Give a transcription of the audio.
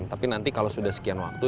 tapi nanti kalau sudah sekian waktu